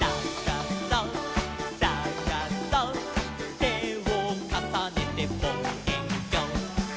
「てをかさねてぼうえんきょう」